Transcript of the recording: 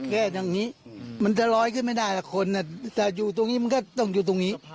แก้ตรงนี้มันจะลอยขึ้นไม่ได้ละคนแต่อยู่ตรงนี้มันก็ต้องอยู่ตรงนี้